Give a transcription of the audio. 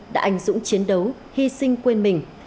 đã ảnh dụng chiến đấu hy sinh quên mình